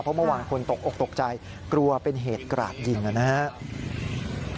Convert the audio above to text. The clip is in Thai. เพราะเมื่อวานคนตกออกตกใจกลัวเป็นเหตุกราดยิงนะครับ